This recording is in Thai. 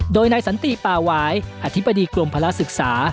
โดยนายสันติป่าวายอธิบดีกรมภาระศึกษา